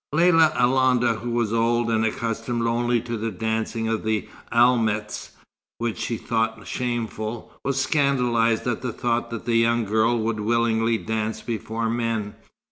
Lella Alonda, who was old, and accustomed only to the dancing of the Almehs, which she thought shameful, was scandalized at the thought that the young girl would willingly dance before men.